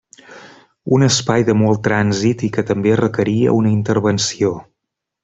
Un espai de molt trànsit i que també requeria una intervenció.